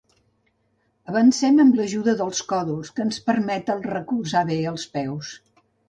Avancem amb l'ajuda dels còdols, que ens permeten recolzar bé els peus.